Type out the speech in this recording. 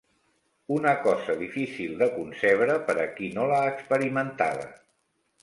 Una cosa difícil de concebre per a qui no l'ha experimentada